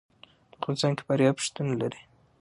په افغانستان کې فاریاب شتون لري.